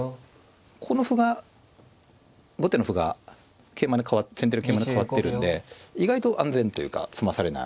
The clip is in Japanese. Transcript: この歩が後手の歩が先手の桂馬にかわってるんで意外と安全というか詰まされない。